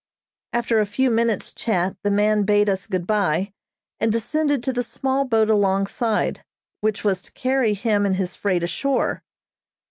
After a few minutes chat the man bade us good bye, and descended to the small boat alongside, which was to carry him and his freight ashore.